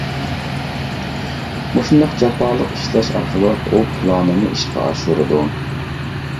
مۇشۇنداق جاپالىق ئىشلەش ئارقىلىق ئۇ پىلانىنى ئىشقا ئاشۇرىدۇ.